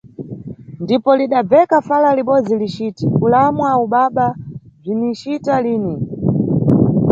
Ndipo lidabveka fala libodzi liciti -kulamwa ubaba – bzinicita lini.